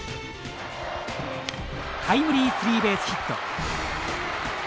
タイムリースリーベースヒット。